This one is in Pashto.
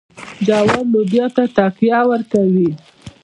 جوار لوبیا ته تکیه ورکوي.